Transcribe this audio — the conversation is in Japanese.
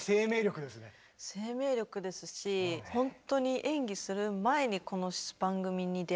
生命力ですしほんとに演技する前にこの番組に出会いたかった。